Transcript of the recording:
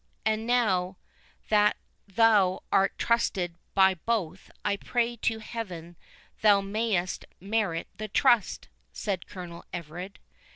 —And now that thou art trusted by both, I pray to Heaven thou mayest merit the trust," said Colonel Everard.